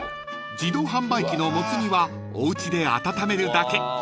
［自動販売機のもつ煮はおうちで温めるだけ］